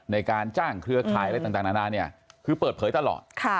ในการจ้างเครือข่ายอะไรต่างนานาเนี่ยคือเปิดเผยตลอด